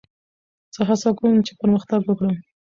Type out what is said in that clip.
زه هڅه کوم، چي پرمختګ وکړم.